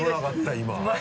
今。